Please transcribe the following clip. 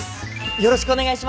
よろしくお願いします。